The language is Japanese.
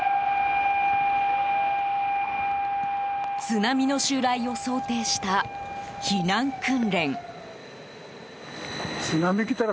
津波の襲来を想定した避難訓練。